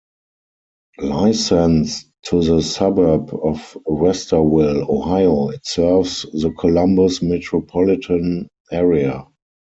Licensed to the suburb of Westerville, Ohio, it serves the Columbus metropolitan area.